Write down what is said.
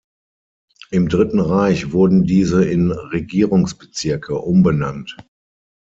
Im Dritten Reich wurden diese in Regierungsbezirke umbenannt.